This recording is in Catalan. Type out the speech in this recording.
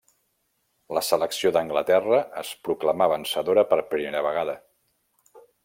La selecció d'Anglaterra es proclamà vencedora per primera vegada.